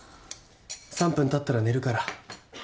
３分経ったら寝るから。